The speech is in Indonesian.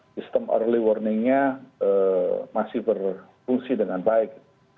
sistem early warningnya masih berfungsi dengan baik